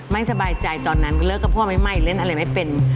ไม่สบายใจตอนนั้นเลิกกับผู้อำไฟและไม่เป็น